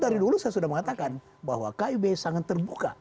dari dulu saya sudah mengatakan bahwa kib sangat terbuka